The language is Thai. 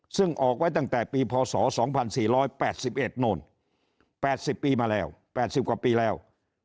ซึ่งออกไว้ตั้งแต่ปีพศ๒๔๘๑โน่น๘๐ปีมาแล้ว๘๐กว่าปีแล้ว